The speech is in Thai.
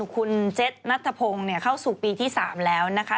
คุณเจ็ดนัทธพงศ์เข้าสู่ปีที่๓แล้วนะคะ